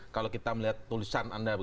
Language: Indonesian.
kalau kita melihat tulisan anda